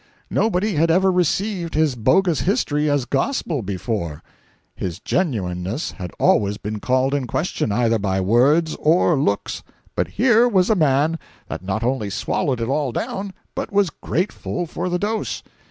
Nobody had ever received his bogus history as gospel before; its genuineness had always been called in question either by words or looks; but here was a man that not only swallowed it all down, but was grateful for the dose.